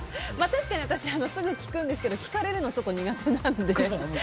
確かに私、すぐ聞きますが聞かれるのはちょっと苦手なので。